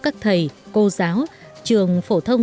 các thầy cô giáo trường phổ thông